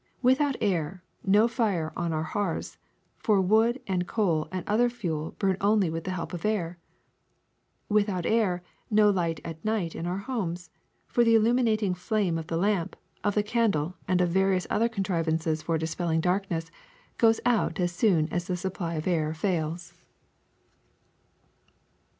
With out air, no fire on our hearths, for wood and coal and other fuel bum only with the help of air. Without air, no light at night in our homes, for the illuminat ing flame of the lamp, of the candle, and of various other contrivalices for dispelling darkness, goes out as soon as the supply of air fails."